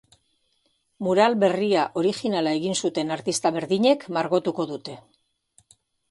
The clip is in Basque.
Mural berria orijinala egin zuten artista berdinek margotuko dute.